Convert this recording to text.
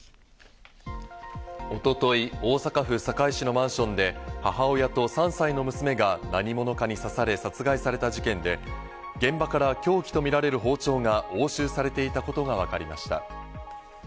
一昨日、大阪府堺市のマンションで母親と３歳の娘が何者かに刺され、殺害された事件で、現場から凶器とみられる包丁が押収されていたことがわかりました。